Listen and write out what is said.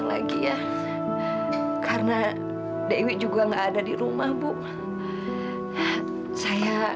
makin pahit makin manjur